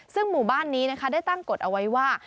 ซึ่งหมู่บ้านนี้นะคะได้ตั้งกฎเอาไว้ว่า